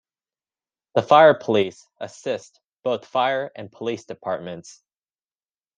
The Fire Police assist both fire and police departments.